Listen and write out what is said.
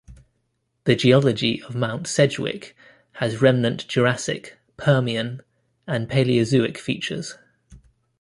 The geology of Mount Sedgwick has remnant Jurassic, Permian and Palaeozoic features.